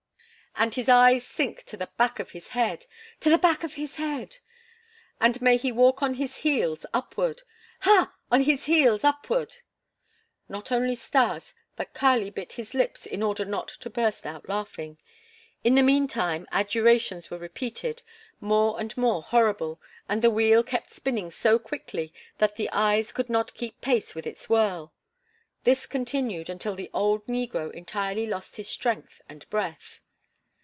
"And his eyes sink to the back of his head!" "To the back of his head!" "And may he walk on his heels upward!" "Ha! on his heels upward!" Not only Stas but Kali bit his lips in order not to burst out laughing. In the meantime adjurations were repeated, more and more horrible, and the wheel kept spinning so quickly that the eyes could not keep pace with its whirl. This continued until the old negro entirely lost his strength and breath.